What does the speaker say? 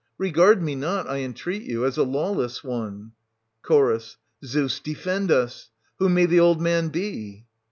Regard me not, I entreat you, as a lawless one. Ch. Zeus defend us ! who may the old man be